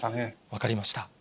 分かりました。